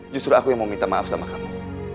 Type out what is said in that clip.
justru aku yang mau minta maaf sama kamu